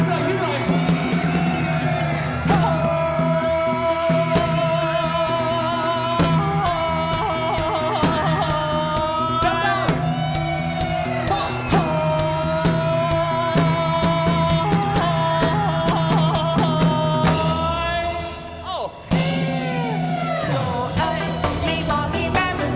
ตัวอันให้บอกให้แม่มันขอ